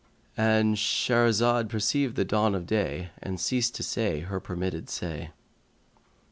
"—And Shahrazad perceived the dawn of day and ceased to say her permitted say.